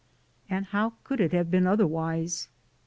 And how could it have been otherwise?